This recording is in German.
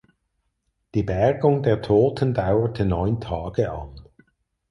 Die Bergung der Toten dauerte neun Tage an.